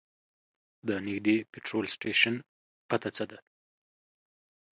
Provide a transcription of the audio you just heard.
د نږدې پټرول سټیشن پته څه ده؟